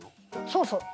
そうそう。